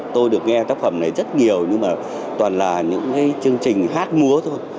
tôi được nghe tác phẩm này rất nhiều nhưng mà toàn là những cái chương trình hát múa thôi